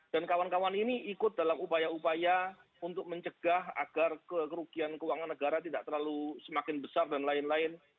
dan kawan kawan ini ikut dalam upaya upaya untuk mencegah agar kerugian keuangan negara tidak terlalu semakin besar dan lain lain